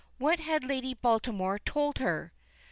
What had Lady Baltimore told her?